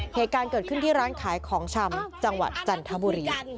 เหตุการณ์เกิดขึ้นที่ร้านขายของชำจังหวัดจันทบุรี